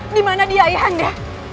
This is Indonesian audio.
dimana dia ayah anda